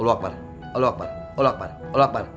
allah akbar allah akbar allah akbar